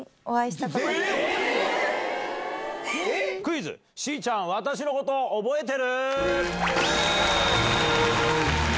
しーちゃん私のこと覚えてる？